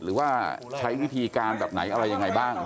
หรือว่าใช้วิธีการแบบไหนอะไรยังไงบ้าง